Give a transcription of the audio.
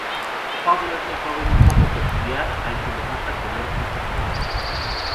Pablo es un joven un poco peculiar al que le gusta comer frutos silvestres.